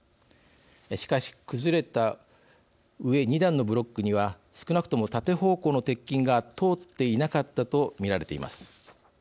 しかし崩れた上２段のブロックには少なくとも縦方向の鉄筋が通っていなかったと見られています。